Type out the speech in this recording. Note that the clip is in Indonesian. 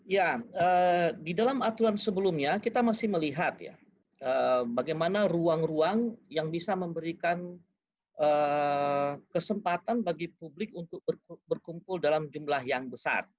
ya di dalam aturan sebelumnya kita masih melihat ya bagaimana ruang ruang yang bisa memberikan kesempatan bagi publik untuk berkumpul dalam jumlah yang besar